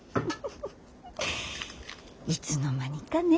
いつの間にかね。